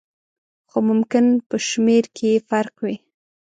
خو ممکن په شمېر کې یې فرق وي.